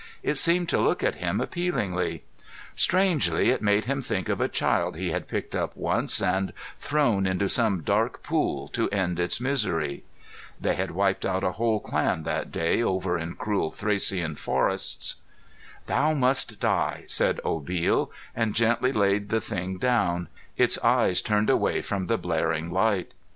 It seemed to look at him appealingly. Strangely, it made him think of a child he had picked up once and thrown into some dark pool to end its misery. (They had wiped out a whole clan that day, over in cruel Thracian forests.) "Thou must die," said Obil, and gently laid the thing down, its eyes turned away from the blaring light.